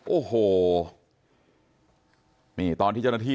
โอ้โหนี่ตอนที่เจ้าหน้าที่